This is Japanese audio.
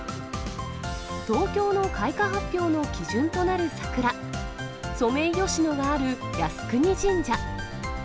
東京の開花発表の基準となる桜、ソメイヨシノがある靖国神社。